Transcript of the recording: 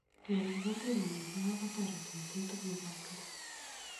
kenai koteenguny nebo kaa katoretuu itech tukukab keny